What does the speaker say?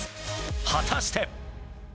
果たして。